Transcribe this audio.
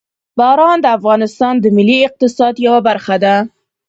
باران د افغانستان د ملي اقتصاد یوه برخه ده.